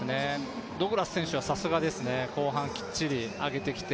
ドグラス選手はさすがですね、後半きっちり上げてきて、